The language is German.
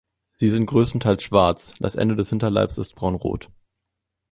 Sie sind größtenteils schwarz, das Ende des Hinterleibs ist braunrot.